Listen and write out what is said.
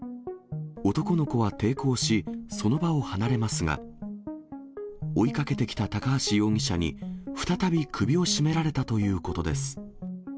男の子は抵抗し、その場を離れますが、追いかけてきた高橋容疑者に、再び首を絞められたということです。